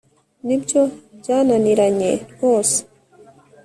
nibyo byananiranye rwose